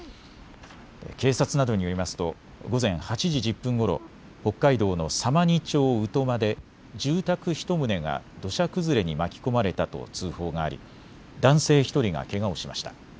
警察などによりますと午前８時１０分ごろ、北海道の様似町鵜苫で住宅１棟が土砂崩れに巻き込まれたと通報があり、男性１人がけがをしました。